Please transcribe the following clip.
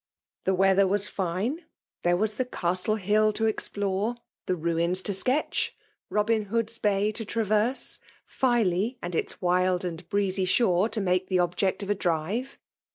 The weather was fine. There was the castle hill to eit plorc, the ruins to sketch, Bobin Hood's Bay to traverse, Filey and its wild and breezy shore to make the object of a drive.